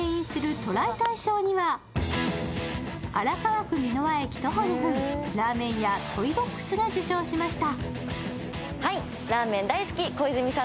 ＴＲＹ大賞は荒川区三ノ輪駅徒歩２分、ラーメン屋トイ・ボックスが受賞しました。